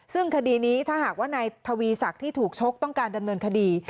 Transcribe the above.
ซึ่งคดีนี้ถ้าหากว่านายทวีศักดิ์ที่ถูกชกต้องการดำเนินคดี